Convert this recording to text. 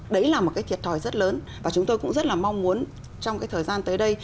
đấy là một cái thiệt thòi rất lớn và chúng tôi cũng rất là mong muốn trong cái thời gian tới đây